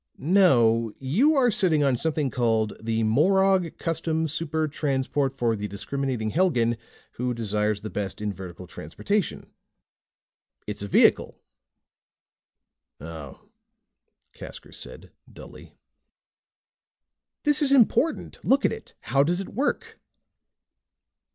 "No. You are sitting on something called THE MOROG CUSTOM SUPER TRANSPORT FOR THE DISCRIMINATING HELGAN WHO DESIRES THE BEST IN VERTICAL TRANSPORTATION. It's a vehicle!" "Oh," Casker said dully. "This is important! Look at it! How does it work?"